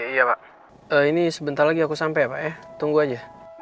iya pak ini sebentar lagi aku sampai ya pak ya tunggu aja